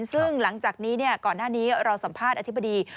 ซึ่งหลังจากนี้ก่อนหน้านี้เราสัมภาษณ์อธิบดี